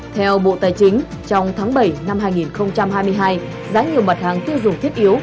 theo bộ tài chính trong tháng bảy năm hai nghìn hai mươi hai giá nhiều mặt hàng tiêu dùng thiết yếu